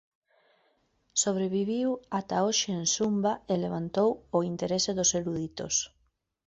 Sobreviviu ata hoxe en Sumba e levantou o interese dos eruditos.